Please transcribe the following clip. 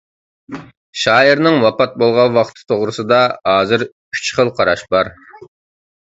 شائىرنىڭ ۋاپات بولغان ۋاقتى توغرىسىدا ھازىر ئۈچ خىل قاراش بار.